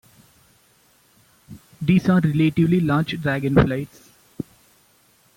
These are relatively large dragonflies.